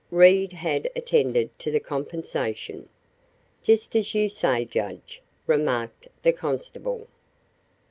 Reed had attended to the compensation. "Just as you say, judge," remarked the constable.